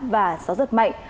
và gió rất mạnh